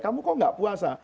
kamu kok tidak puasa